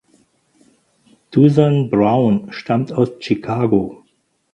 Dusan Brown stammt aus Chicago.